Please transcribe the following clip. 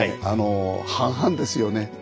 あの半々ですよね。